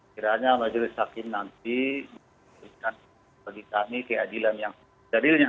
kiranya majelis hakim nanti memberikan bagi kami keadilan yang stabilnya